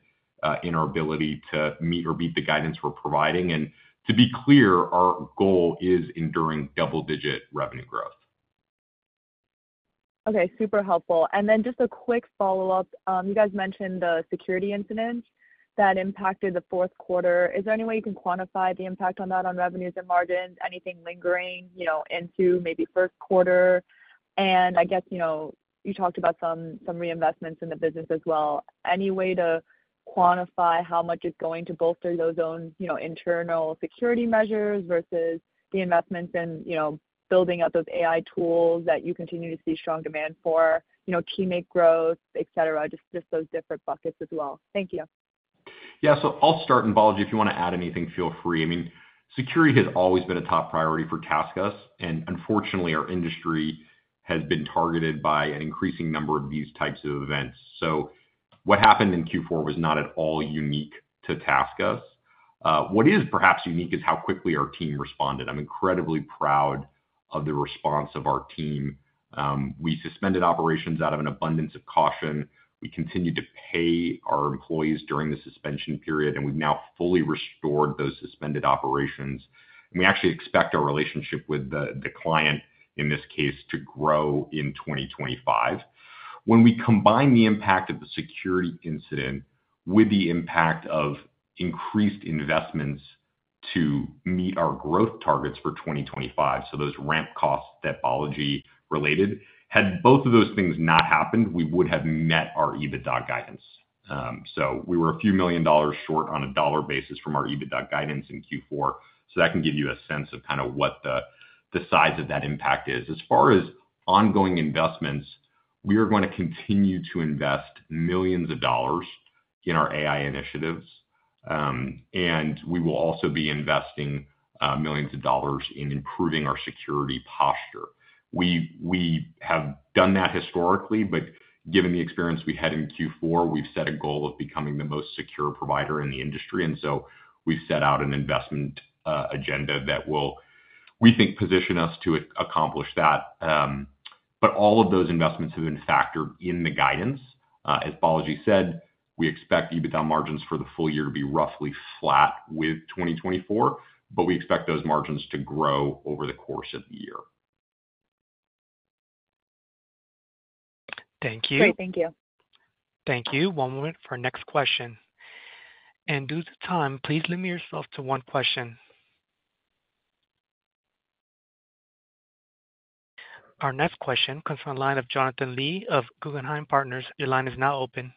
[SPEAKER 3] in our ability to meet or beat the guidance we're providing. And to be clear, our goal is enduring double-digit revenue growth.
[SPEAKER 6] Okay, super helpful. And then just a quick follow-up. You guys mentioned the security incident that impacted the fourth quarter. Is there any way you can quantify the impact on that on revenues and margins? Anything lingering into maybe first quarter? And I guess you talked about some reinvestments in the business as well. Any way to quantify how much it's going to bolster those own internal security measures versus the investments in building up those AI tools that you continue to see strong demand for, teammate growth, et cetera, just those different buckets as well? Thank you.
[SPEAKER 3] Yeah, so I'll start, and Balaji, if you want to add anything, feel free. I mean, security has always been a top priority for TaskUs. And unfortunately, our industry has been targeted by an increasing number of these types of events. What happened in Q4 was not at all unique to TaskUs. What is perhaps unique is how quickly our team responded. I'm incredibly proud of the response of our team. We suspended operations out of an abundance of caution. We continued to pay our employees during the suspension period, and we've now fully restored those suspended operations. We actually expect our relationship with the client, in this case, to grow in 2025. When we combine the impact of the security incident with the impact of increased investments to meet our growth targets for 2025, so those ramp costs that Balaji related, had both of those things not happened, we would have met our EBITDA guidance. We were a few million dollars short on a dollar basis from our EBITDA guidance in Q4. So that can give you a sense of kind of what the size of that impact is. As far as ongoing investments, we are going to continue to invest millions of dollars in our AI initiatives. And we will also be investing millions of dollars in improving our security posture. We have done that historically, but given the experience we had in Q4, we've set a goal of becoming the most secure provider in the industry. And so we've set out an investment agenda that will, we think, position us to accomplish that. But all of those investments have been factored in the guidance. As Balaji said, we expect EBITDA margins for the full year to be roughly flat with 2024, but we expect those margins to grow over the course of the year.
[SPEAKER 1] Thank you.
[SPEAKER 6] Great. Thank you.
[SPEAKER 1] Thank you. One moment for our next question. Due to time, please limit yourself to one question. Our next question comes from the line of Jonathan Lee of Guggenheim Partners. Your line is now open.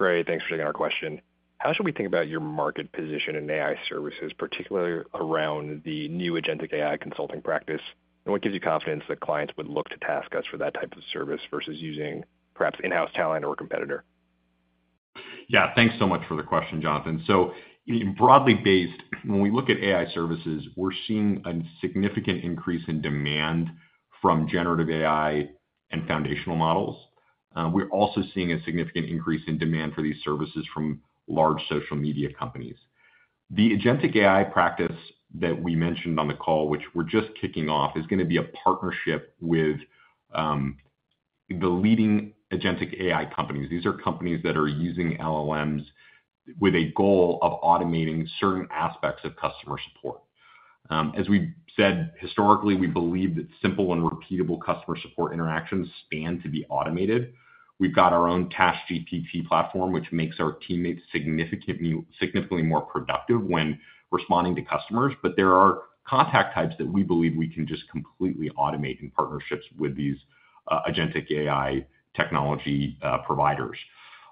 [SPEAKER 7] Great. Thanks for taking our question. How should we think about your market position in AI services, particularly around the new agentic AI consulting practice? And what gives you confidence that clients would look to TaskUs for that type of service versus using perhaps in-house talent or a competitor?
[SPEAKER 3] Yeah, thanks so much for the question, Jonathan. Broadly based, when we look at AI services, we're seeing a significant increase in demand from generative AI and foundational models. We're also seeing a significant increase in demand for these services from large social media companies. The agentic AI practice that we mentioned on the call, which we're just kicking off, is going to be a partnership with the leading agentic AI companies. These are companies that are using LLMs with a goal of automating certain aspects of customer support. As we said, historically, we believed that simple and repeatable customer support interactions can be automated. We've got our own TaskGPT platform, which makes our teammates significantly more productive when responding to customers, but there are contact types that we believe we can just completely automate in partnerships with these agentic AI technology providers,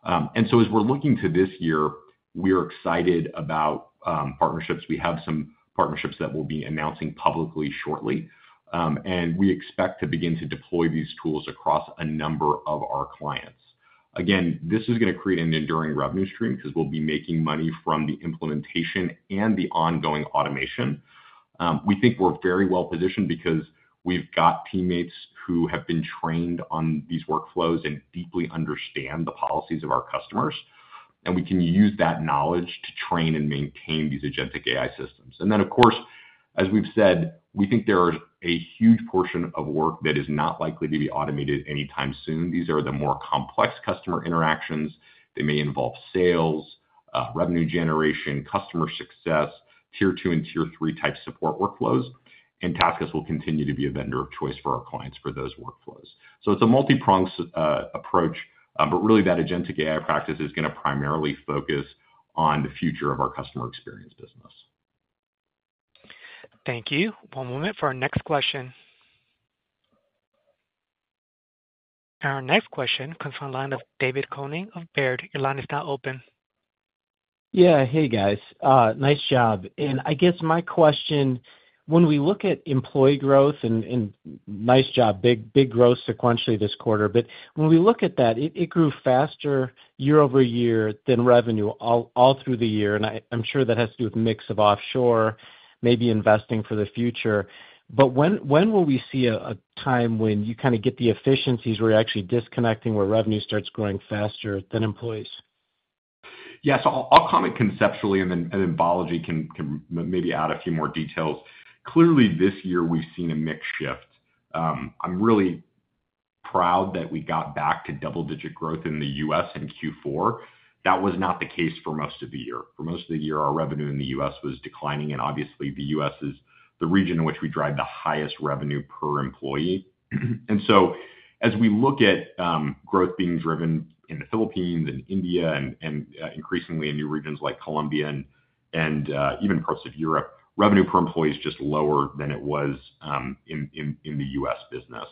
[SPEAKER 3] and so as we're looking to this year, we are excited about partnerships. We have some partnerships that we'll be announcing publicly shortly, and we expect to begin to deploy these tools across a number of our clients. Again, this is going to create an enduring revenue stream because we'll be making money from the implementation and the ongoing automation. We think we're very well positioned because we've got teammates who have been trained on these workflows and deeply understand the policies of our customers. And we can use that knowledge to train and maintain these agentic AI systems. And then, of course, as we've said, we think there is a huge portion of work that is not likely to be automated anytime soon. These are the more complex customer interactions. They may involve sales, revenue generation, customer success, tier two and tier three type support workflows. And TaskUs will continue to be a vendor of choice for our clients for those workflows. So it's a multi-pronged approach, but really that agentic AI practice is going to primarily focus on the future of our customer experience business.
[SPEAKER 1] Thank you. One moment for our next question. Our next question comes from the line of David Koning of Baird. Your line is now open.
[SPEAKER 8] Yeah. Hey, guys. Nice job. And I guess my question, when we look at employee growth and nice job, big growth sequentially this quarter, but when we look at that, it grew faster year over year than revenue all through the year. And I'm sure that has to do with mix of offshore, maybe investing for the future. But when will we see a time when you kind of get the efficiencies where you're actually disconnecting, where revenue starts growing faster than employees?
[SPEAKER 3] Yeah. So I'll comment conceptually, and then Balaji can maybe add a few more details. Clearly, this year, we've seen a mixed shift. I'm really proud that we got back to double-digit growth in the U.S. in Q4. That was not the case for most of the year. For most of the year, our revenue in the U.S. was declining. And obviously, the U.S. is the region in which we drive the highest revenue per employee. And so as we look at growth being driven in the Philippines and India, and increasingly in new regions like Colombia and even parts of Europe, revenue per employee is just lower than it was in the U.S. business.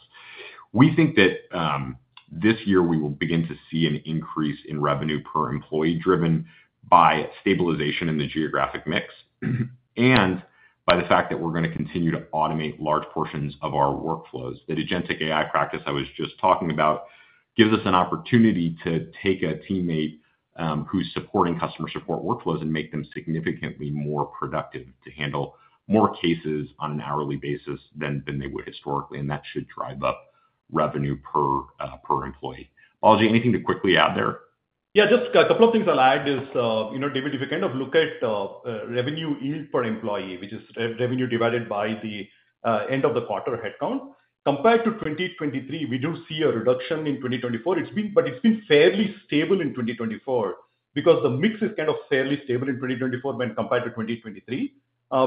[SPEAKER 3] We think that this year, we will begin to see an increase in revenue per employee driven by stabilization in the geographic mix and by the fact that we're going to continue to automate large portions of our workflows. The agentic AI practice I was just talking about gives us an opportunity to take a teammate who's supporting customer support workflows and make them significantly more productive to handle more cases on an hourly basis than they would historically. And that should drive up revenue per employee. Balaji, anything to quickly add there?
[SPEAKER 4] Yeah, just a couple of things I'll add is, David, if you kind of look at revenue yield per employee, which is revenue divided by the end of the quarter headcount, compared to 2023, we do see a reduction in 2024. But it's been fairly stable in 2024 because the mix is kind of fairly stable in 2024 when compared to 2023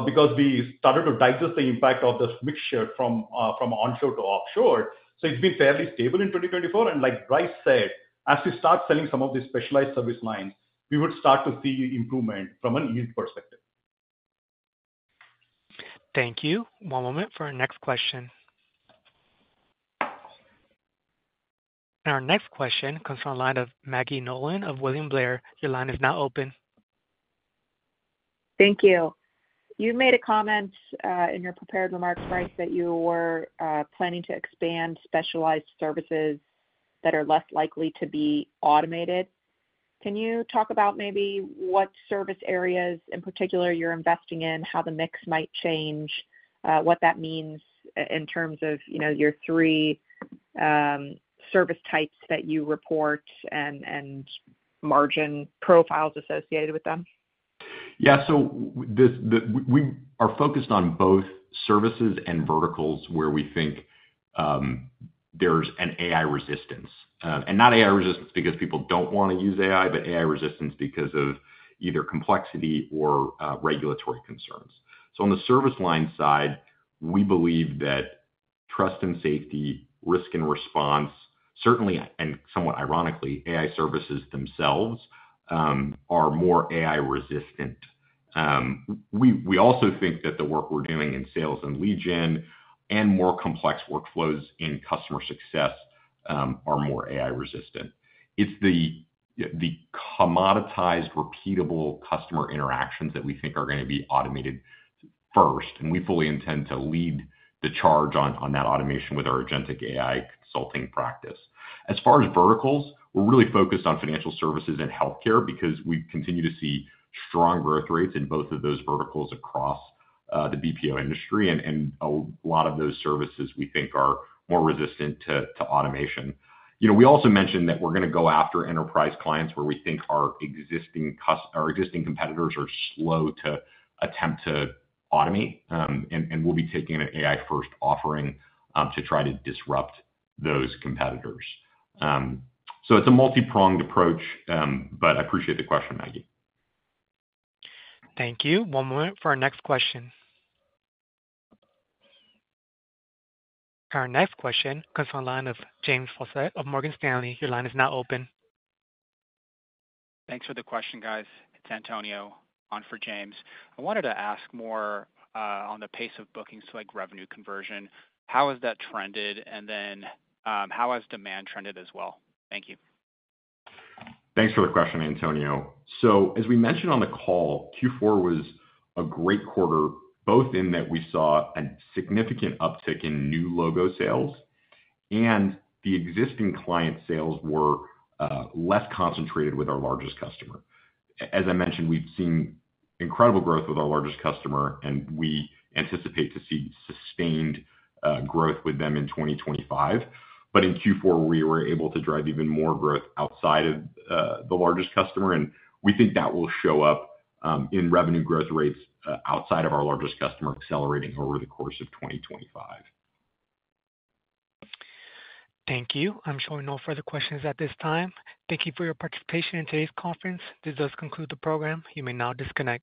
[SPEAKER 4] because we started to digest the impact of the mixture from onshore to offshore. So it's been fairly stable in 2024. And like Bryce said, as we start selling some of these specialized service lines, we would start to see improvement from an yield perspective.
[SPEAKER 1] Thank you. One moment for our next question, and our next question comes from the line of Maggie Nolan of William Blair. Your line is now open.
[SPEAKER 9] Thank you. You made a comment in your prepared remarks, Bryce, that you were planning to expand specialized services that are less likely to be automated. Can you talk about maybe what service areas in particular you're investing in, how the mix might change, what that means in terms of your three service types that you report and margin profiles associated with them?
[SPEAKER 3] Yeah, so we are focused on both services and verticals where we think there's an AI resistance, and not AI resistance because people don't want to use AI, but AI resistance because of either complexity or regulatory concerns, so on the service line side, we believe that Trust and Safety, Risk and Response, certainly, and somewhat ironically, AI Services themselves are more AI resistant. We also think that the work we're doing in sales and lead gen and more complex workflows in customer success are more AI resistant. It's the commoditized, repeatable customer interactions that we think are going to be automated first. And we fully intend to lead the charge on that automation with our agentic AI consulting practice. As far as verticals, we're really focused on financial services and healthcare because we continue to see strong growth rates in both of those verticals across the BPO industry. And a lot of those services we think are more resistant to automation. We also mentioned that we're going to go after enterprise clients where we think our existing competitors are slow to attempt to automate. And we'll be taking an AI-first offering to try to disrupt those competitors. So it's a multi-pronged approach, but I appreciate the question, Maggie.
[SPEAKER 1] Thank you. One moment for our next question. Our next question comes from the line of James Faucette of Morgan Stanley. Your line is now open. Thanks for the question, guys. It's Antonio on for James. I wanted to ask more on the pace of bookings to revenue conversion. How has that trended? And then how has demand trended as well? Thank you.
[SPEAKER 3] Thanks for the question, Antonio. So as we mentioned on the call, Q4 was a great quarter, both in that we saw a significant uptick in new logo sales, and the existing client sales were less concentrated with our largest customer. As I mentioned, we've seen incredible growth with our largest customer, and we anticipate to see sustained growth with them in 2025. But in Q4, we were able to drive even more growth outside of the largest customer. And we think that will show up in revenue growth rates outside of our largest customer accelerating over the course of 2025.
[SPEAKER 1] Thank you. I'm showing no further questions at this time. Thank you for your participation in today's conference. This does conclude the program. You may now disconnect.